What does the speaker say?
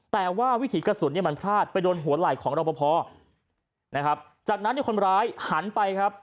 แต่ว่าวิถีกระสุนมันพลาดไปโดนหัวไหล่ของเราพอจากนั้นคนร้ายหันไปครับ